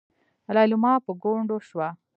ليلما په ګونډو شوه.